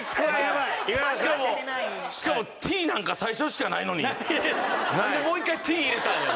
しかも「Ｔ」なんか最初しかないのになんでもう一回「Ｔ」入れたんやろ？